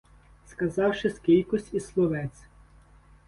Сказавши скількось і словець.